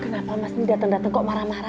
lo kok marah marah